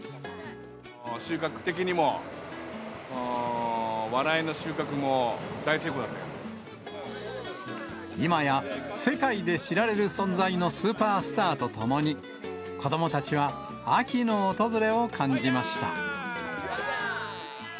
収穫的にも、今や世界で知られる存在のスーパースターと共に、子どもたちは秋の訪れを感じました。